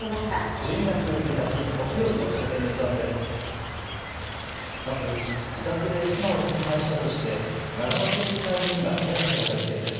１２月１日木曜日の首都圏ネットワークです。